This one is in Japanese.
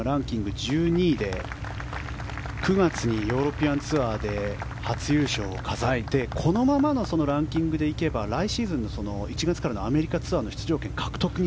今、１２位で９月にヨーロピアンツアーで初優勝を飾ってこのままのランキングで行けば来シーズンの１月からのアメリカツアーの出場権